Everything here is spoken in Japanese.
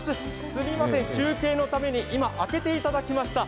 すみません、中継のために、今、開けていただきました。